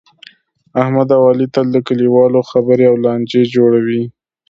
احمد اوعلي تل د کلیوالو خبرې او لانجې جوړوي.